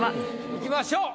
いきましょう。